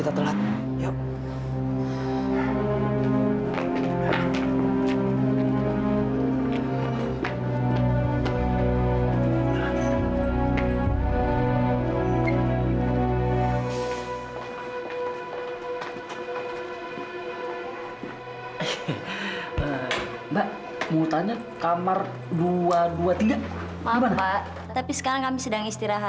ini tidak mudah lagi pak